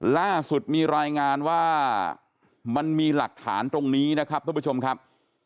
ล่าสุดมีรายงานว่ามันมีหลักฐานตรงนี้นะครับทุกผู้ชมครับ